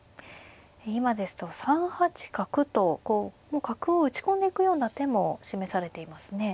今ですと３八角ともう角を打ち込んでいくような手も示されていますね。